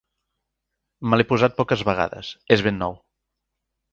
Me l'he posat poques vegades: és ben nou.